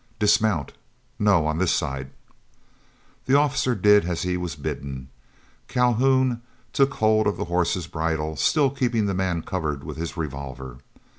"Dismount. No, on this side." The officer did as he was bidden. Calhoun took hold of the horse's bridle, still keeping the man covered with his revolver.